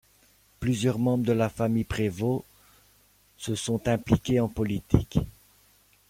Plusieurs membres de la famille Prévost se sont impliqués en politique.